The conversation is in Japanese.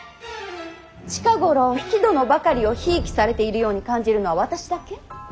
近頃比企殿ばかりをひいきされているように感じるのは私だけ？